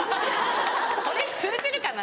それ通じるかな？